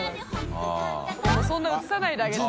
發そんな写さないであげて。